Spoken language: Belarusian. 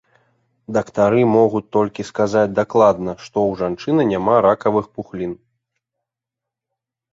Дактары могуць толькі сказаць дакладна, што ў жанчыны няма ракавых пухлін.